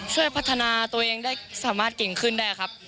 ช่วยพัฒนาตัวเองได้สามารถเก่งขึ้นได้ครับ